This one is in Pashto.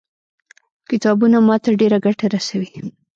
کتابونه ما ته ډېره ګټه رسوي.